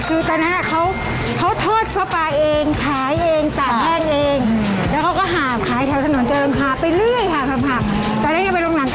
คือตอนนั้นเขาทดพระปลาเอง